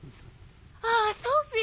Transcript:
あぁソフィー